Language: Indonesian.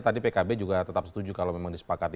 tadi pkb juga tetap setuju kalau memang disepakati